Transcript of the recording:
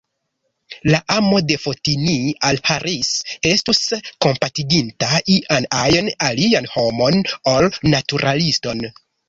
La amo de Fotini al Harris estus kompatiginta ian ajn alian homon, ol naturaliston.